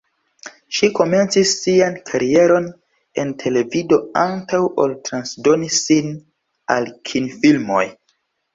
Ŝi komencis sian karieron en televido antaŭ ol transdoni sin al kinfilmoj.